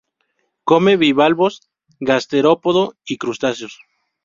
Come bivalvos, gasterópodo y crustáceos.